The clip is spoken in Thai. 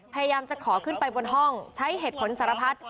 พยายามจะขอขึ้นไปบนห้องใช้เหตุผลสารพัด